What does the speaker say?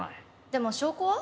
でも証拠は？